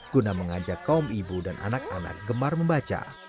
guna mengajak kaum ibu dan anak anak gemar membaca